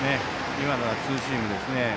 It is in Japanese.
今のがツーシームですね。